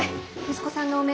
息子さんの汚名